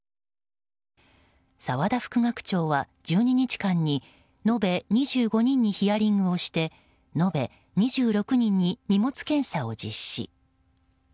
沢田副学長は１２日間に延べ２５人にヒアリングをして延べ２６人に荷物検査を実施。